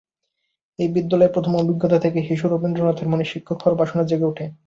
এই বিদ্যালয়ের প্রথম অভিজ্ঞতা থেকেই শিশু রবীন্দ্রনাথের মনে শিক্ষক হওয়ার বাসনা জেগে ওঠে।